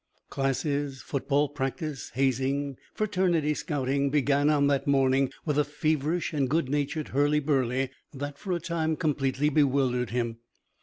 Classes, football practice, hazing, fraternity scouting began on that morning with a feverish and good natured hurly burly that, for a time, completely bewildered him.